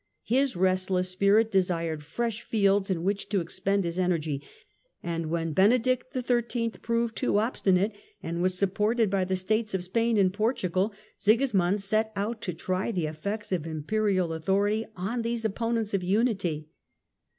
iiiund ...„. His restless spirit desired fresh fields m which to expend his energy, and when Benedict XIII. proved so obstinate, and was supported by the States of Spain and Portugal, Sigismund set out to try the effects of Imperial authority on these opponents of unity.